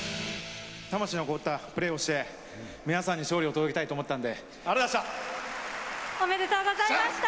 魂の込もったプレーをして、皆さんに勝利を届けたいと思ったんで、ありがとうございました。